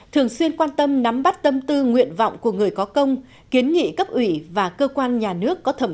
thường xuyên quan tâm nắm bắt tâm tư nguyện vọng của người có công kiến nghị cấp ủy và cơ quan nhà nước có thẩm